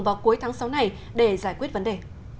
vào cuối tháng sáu này để giải quyết vấn đề